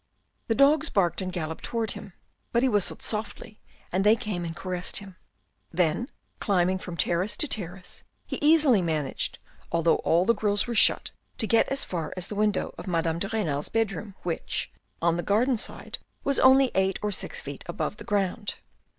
The dogs barked and galloped towards him, but he whistled softly and they came and caressed him. Then climbing from terrace to terrace he easily managed, although all the grills were shut, to get as far as the window of Madame de Renal's bedroom which, on the garden side, was only eight or six feet above the ground.